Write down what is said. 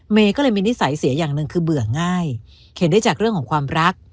เมย์ก็เลยมีนิสัยเสียอย่างหนึ่งคือเบื่อง่ายเข็นได้จากเรื่องของความรัก